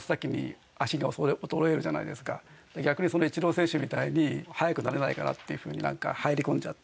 逆にイチロー選手みたいに速くなれないかなっていうふうになんか入り込んじゃって。